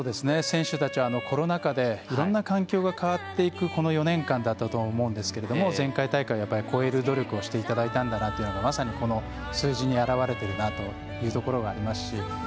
選手たちはコロナ禍でいろんな環境が変わっていくこの４年間だったと思うんですが前回大会を超える努力をしていただいたんだなというのが、まさにこの数字に表れているなというところがありますし。